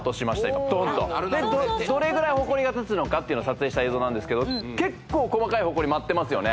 今ドーンとどれぐらいホコリが立つのかっていうのを撮影した映像ですけど結構細かいホコリ舞ってますよね